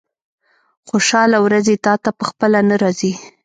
خوشاله ورځې تاته په خپله نه راځي.